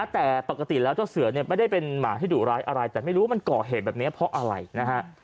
แต่ปกติแล้วเจ้าเสือเนี่ยไม่ได้เป็นหมาที่ดุร้ายอะไรแต่ไม่รู้ว่ามันก่อเหตุแบบนี้เพราะอะไรนะฮะ